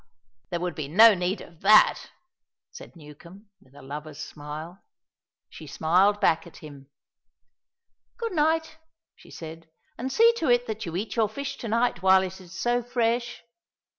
there would be no need of that!" said Newcombe, with a lover's smile. She smiled back at him. "Good night!" she said, "and see to it that you eat your fish to night while it is so fresh."